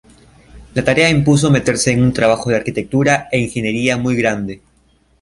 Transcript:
La tarea impuso meterse en un trabajo de arquitectura e ingeniería muy grande.